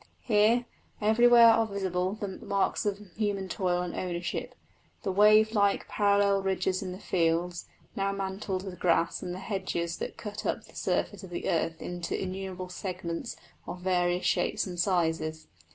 Here, everywhere are visible the marks of human toil and ownership the wave like, parallel ridges in the fields, now mantled with grass, and the hedges that cut up the surface of the earth into innumerable segments of various shapes and sizes.